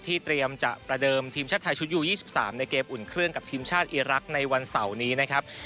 เตรียมจะประเดิมทีมชาติไทยชุดยู๒๓ในเกมอุ่นเครื่องกับทีมชาติอีรักษ์ในวันเสาร์นี้นะครับ